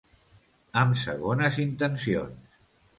Amb segones intencions.